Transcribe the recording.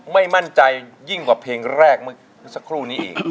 ไม่มั่นใจยิ่งกว่าเพลงแรกสักครู่นี้เอง